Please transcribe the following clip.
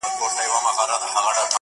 چي هر ځای به څو مرغان سره جرګه سوه!.